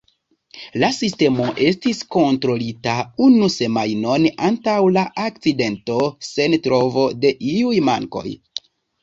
La sistemo estis kontrolita unu semajnon antaŭ la akcidento, sen trovo de iuj mankoj.